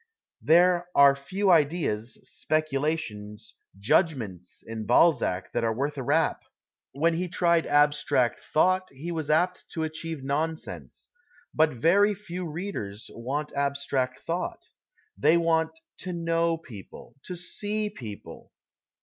There are few ideas, specu lations, judgments in Balzac that are worth a rap ; when he tried abstract thought he was apt to achieve nonsense. But very few readers want abstract thought. They want " to know people," " to see people."